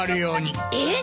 えっ！？